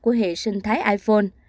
của hệ sinh thái iphone